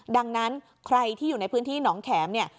ดังนั้นใครที่อยู่ในพื้นที่หนองแขมเนี่ย